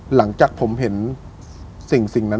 หลังจากผมเห็นสิ่งนั้น